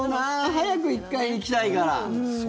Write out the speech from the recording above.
早く１階行きたいから。